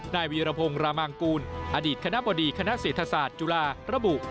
วีรพงศ์รามางกูลอดีตคณะบดีคณะเศรษฐศาสตร์จุฬาระบุ